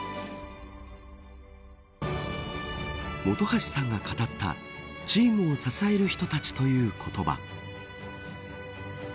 本橋さんが語ったチームを支える人たちという言葉。